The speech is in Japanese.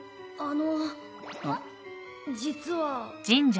あのう実は。